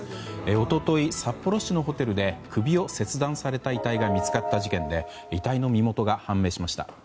一昨日、札幌市のホテルで首を切断された遺体が見つかった事件で遺体の身元が判明しました。